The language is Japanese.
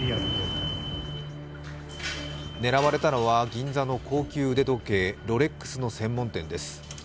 狙われたのは銀座の高級腕時計、ロレックスの専門店です。